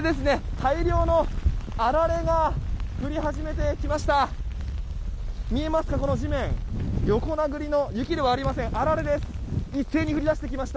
大量のあられが降り始めてきました。